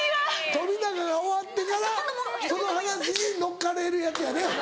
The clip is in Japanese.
富永が終わってからその話に乗っかれるやつやで。